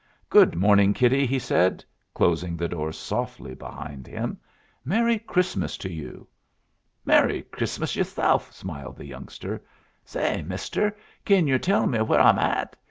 "Good morning, kiddie," he said, closing the door softly behind him. "Merry Christmas to you!" "Merry Chrissmus yerself!" smiled the youngster. "Say, mister, kin yer tell me where I'm at?